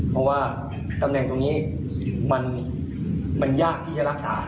เพราะว่าตำแหน่งตรงนี้มันยากที่จะรักษา